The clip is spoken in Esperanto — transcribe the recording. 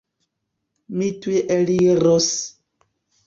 Mi tuj eliros!